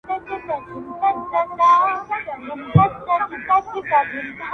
o خوند ئې ښه دئ، را تله ئې!.